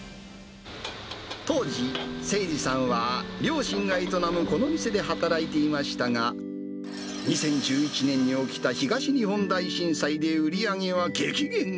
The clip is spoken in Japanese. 当時、清二さんは両親が営むこの店で働いていましたが、２０１１年に起きた東日本大震災で売り上げは激減。